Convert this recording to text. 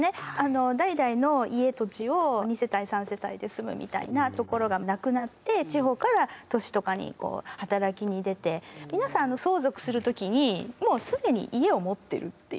代々の家土地を２世帯３世帯で住むみたいなところがなくなって地方から都市とかに働きに出て皆さん相続する時にもう既に家を持ってるっていう。